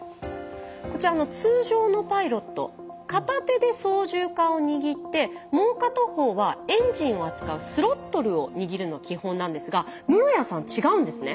こちら通常のパイロット片手で操縦かんを握ってもう片方はエンジンを扱うスロットルを握るの基本なんですが室屋さん違うんですね。